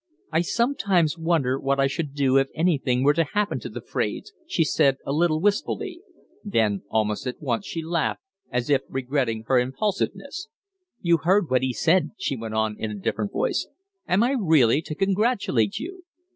"I sometimes wonder what I should do if anything were to happen to the Fraides," she said, a little wistfully. Then almost at once she laughed, as if regretting her impulsiveness. "You heard what he said," she went on, in a different voice. "Am I really to congratulate you?"